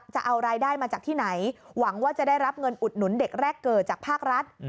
จะเอารายได้มาจากที่ไหนหวังว่าจะได้รับเงินอุดหนุนเด็กแรกเกิดจากภาครัฐ